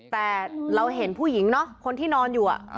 แต่เราเห็นผู้หญิงเนอะคนที่นอนอยู่